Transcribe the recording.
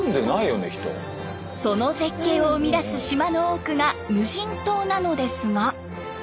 その絶景を生み出す島の多くが無人島なのですが。